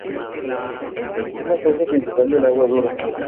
Es la causa principal del agua dura.